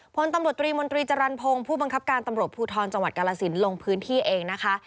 พลตำรวจตรีมนตรีจรรพงศ์ผู้บังคับการตำรวจภูทรจังหวัดกาลสินลงพื้นที่เองนะคะ